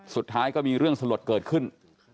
สุดท้ายก็มีเรื่องสลดเกิดขึ้น